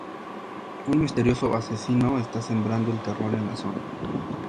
Un misterioso asesino está sembrando el terror en la zona.